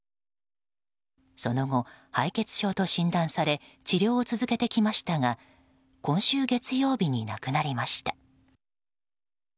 その後、敗血症と診断され治療を続けてきましたが今週月曜日に亡くなりました。